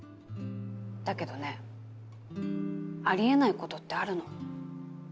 だけどねあり得ないことってあるの。